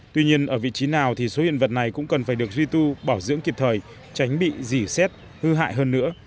tuy nhiên ở vị trí nào thì số hiện vật này cũng cần phải được duy tu bảo dưỡng kịp thời tránh bị dì xét hư hại hơn nữa